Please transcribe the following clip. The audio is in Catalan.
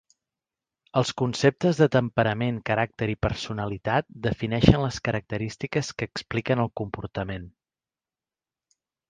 Els conceptes de temperament, caràcter i personalitat defineixen les característiques que expliquen el comportament.